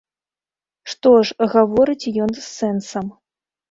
Што ж, гаворыць ён з сэнсам.